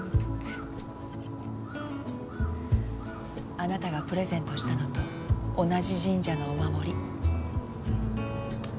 あなたがプレゼントしたのと同じ神社のお守り。